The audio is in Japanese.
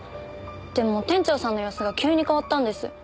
でも店長さんの様子が急に変わったんです。